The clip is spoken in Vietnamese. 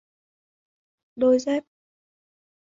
Đôi dép